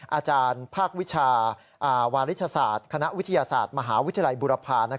อาจารย์ภาควิชาวาริชศาสตร์คณะวิทยาศาสตร์มหาวิทยาลัยบุรพา